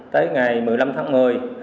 tới ngày một mươi năm tháng một mươi